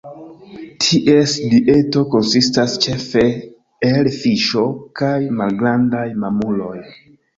Ties dieto konsistas ĉefe el fiŝo kaj malgrandaj mamuloj.